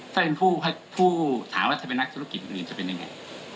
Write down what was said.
จะเป็นผู้ถามว่าเป็นนักธุรกิจหรือจะเป็นยังไง